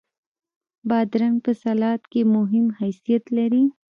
بادرنګ په سلاد کې مهم حیثیت لري.